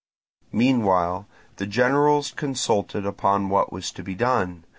Meanwhile the generals consulted upon what was to be done.